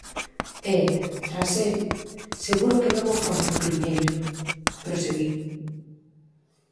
E, tras el, seguro que vén o fanfurriñeiro −proseguín.